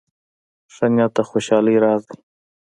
ښه نیت د خوشحالۍ راز دی.